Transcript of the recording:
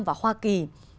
và hoa kỳ